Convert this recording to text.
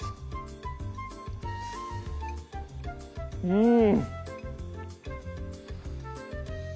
うん